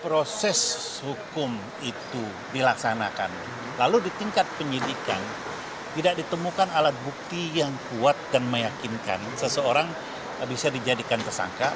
rizik mengucapkan bahwa sp tiga adalah alat bukti yang kuat dan meyakinkan seseorang bisa dijadikan tersangka